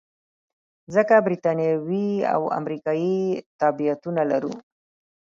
ځکه بریتانوي او امریکایي تابعیتونه لرو.